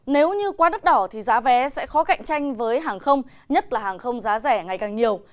nếu như quá đắt đỏ thì giá vé sẽ khó cạnh tranh với hàng không nhất là hàng không giá rẻ ngày càng nhiều